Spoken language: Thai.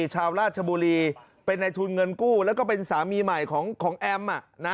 ชาวราชบุรีเป็นในทุนเงินกู้แล้วก็เป็นสามีใหม่ของแอม